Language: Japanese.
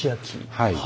はい。